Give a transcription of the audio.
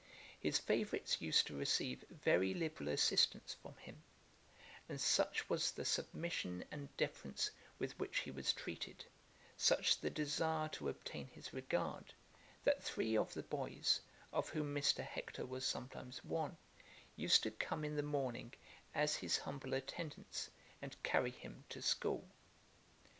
His favourites used to receive very liberal assistance from him; and such was the submission and deference with which he was treated, such the desire to obtain his regard, that three of the boys, of whom Mr. Hector was sometimes one, used to come in the morning as his humble attendants, and carry him to school.